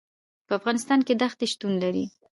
په افغانستان کې دښتې شتون لري.